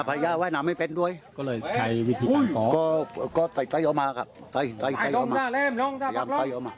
ใส่ไต๊ออมาทายน้องหน้าแร่บหน้าปากล้อง